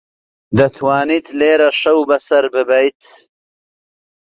دەتوانیت لێرە شەو بەسەر ببەیت.